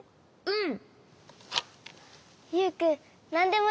うん。